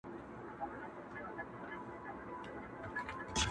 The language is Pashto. د ژړي مازیګر منګیه دړي وړي سې چي پروت یې!